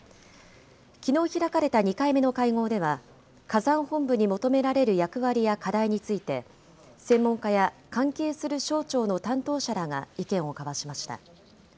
きのう開かれた２回目の会合では、火山本部に求められる役割や課題について、専門家や関係する省庁の担当者らが意見を交わしました。